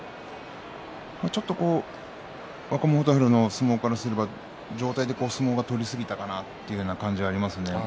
ちょっと若元春の相撲からすれば上体で相撲を取りすぎたかなという感じはありますね。